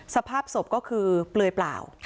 สภาพศพก็คือเปลือยเปล่า